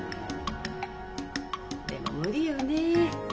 でも無理よねえ。